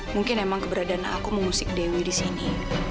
mungkin emang keberadaan aku mengusik dewi di sini